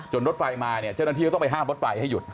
รถไฟมาเนี่ยเจ้าหน้าที่ก็ต้องไปห้ามรถไฟให้หยุด